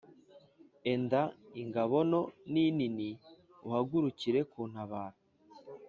Enda ingabo nto n’inini, uhagurukire kuntabara